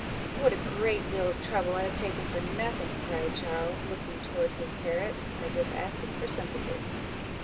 —"What a great deal of trouble I have taken for nothing!" cried Charles, looking towards his parrot, as if asking for sympathy.